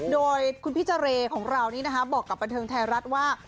โดยคุณพี่เจรของเรานี่นะคะบอกกับบันเทิงไทยรัฐว่า